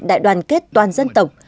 đại đoàn kết toàn dân tộc